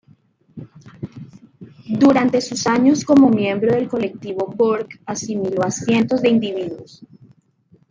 Durante sus años como miembro del colectivo Borg, asimiló a cientos de individuos.